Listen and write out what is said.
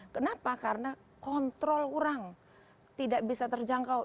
kenapa karena kontrol orang tidak bisa terjangkau